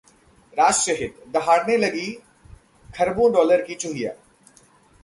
राष्ट्र हित: दहाड़ने लगी खरबों डॉलर की चुहिया